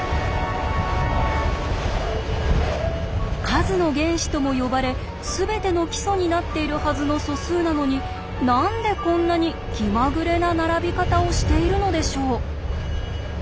数の原子とも呼ばれ全ての基礎になっているはずの素数なのに何でこんなに気まぐれな並び方をしているのでしょう？